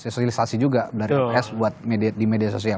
sosialisasi juga dari pks buat di media sosial